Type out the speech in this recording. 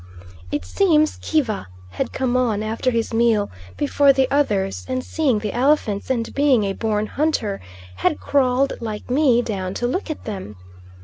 It seems Kiva had come on, after his meal, before the others, and seeing the elephants, and being a born hunter, had crawled like me down to look at them.